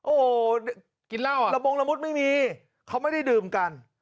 โอ้โหระบงระมุดไม่มีเขาไม่ได้ดื่มกัน